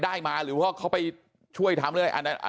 ได้มาหรือว่าเขาไปช่วยทำหรืออะไร